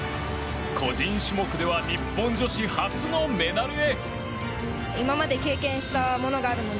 個人種目では日本女子初のメダルへ。